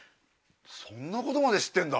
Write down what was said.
そんなことまで知ってんだ！